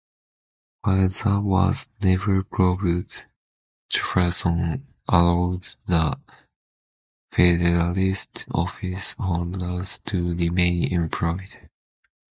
While that was never proved, Jefferson allowed the Federalist office holders to remain employed.